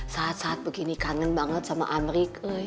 saat saat begini kangen banget sama amrik